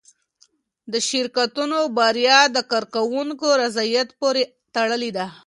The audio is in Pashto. د شرکتونو بریا د کارکوونکو رضایت پورې تړلې ده.